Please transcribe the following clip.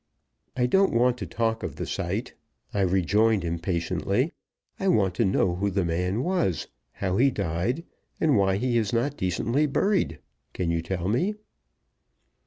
"I don't want to talk of the sight," I rejoined, impatiently; "I want to know who the man was, how he died, and why he is not decently buried. Can you tell me?"